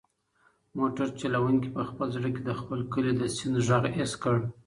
موټر چلونکي په خپل زړه کې د خپل کلي د سیند غږ حس کړ.